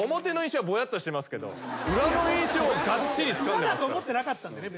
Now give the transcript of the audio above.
裏だと思ってなかったんでね。